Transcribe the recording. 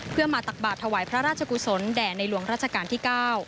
เพื่อมาตักบาทถวายพระราชกุศลแด่ในหลวงราชการที่๙